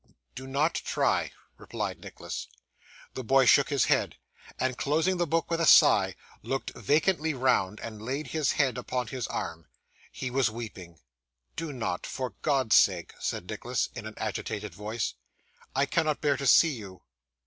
'Do not try,' replied Nicholas. The boy shook his head, and closing the book with a sigh, looked vacantly round, and laid his head upon his arm. He was weeping. 'Do not for God's sake,' said Nicholas, in an agitated voice; 'I cannot bear to see you.